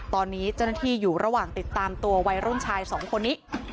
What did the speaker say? ตอนนี้เจ้าหน้าที่อยู่ระหว่างติดตามตัววัยรุ่นชายสองคนนี้